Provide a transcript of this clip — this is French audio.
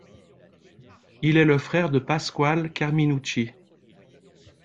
Il est le frère de Pasquale Carminucci.